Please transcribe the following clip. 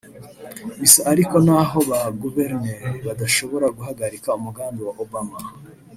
Bisa ariko n’aho ba Guverineri badashobora guhagarika umugambi wa Obama